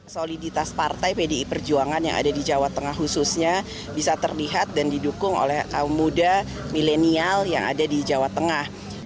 soliditas partai pdi perjuangan yang ada di jawa tengah khususnya bisa terlihat dan didukung oleh kaum muda milenial yang ada di jawa tengah